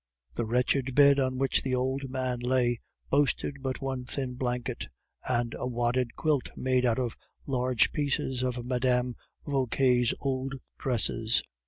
The wretched bed on which the old man lay boasted but one thin blanket, and a wadded quilt made out of large pieces of Mme. Vauquer's old dresses.